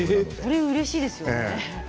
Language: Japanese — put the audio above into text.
それはうれしいですよね。